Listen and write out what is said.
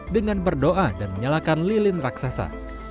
dengan berdoa dan menyalakan lilin raksasa